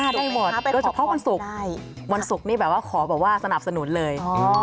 ได้หมดโดยเฉพาะวันศุกร์วันศุกร์นี่แบบว่าขอแบบว่าสนับสนุนเลย